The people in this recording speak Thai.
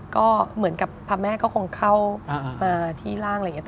ก็เหมือนกับพระแม่ก็คงเข้ามาที่ร่างอะไรอย่างนี้